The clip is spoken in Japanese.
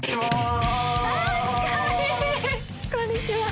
こんにちは。